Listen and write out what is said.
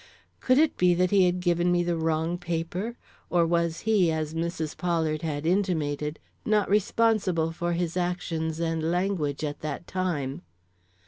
Could it be that he had given me the wrong paper or was he, as Mrs. Pollard had intimated, not responsible for his actions and language at that time.